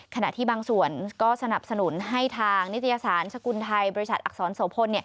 ขณะที่บางส่วนก็สนับสนุนให้ทางนิตยสารสกุลไทยบริษัทอักษรโสพล